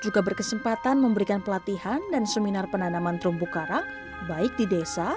juga berkesempatan memberikan pelatihan dan seminar penanaman terumbu karang baik di desa